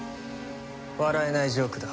笑えないジョークだ。